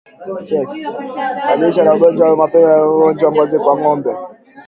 Kukabiliana na ugonjwa wa mapele ya ngozi kwa ngombe